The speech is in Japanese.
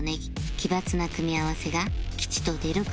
奇抜な組み合わせが吉と出るか？